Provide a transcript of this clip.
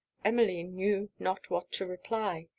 Emmeline knew not what to reply.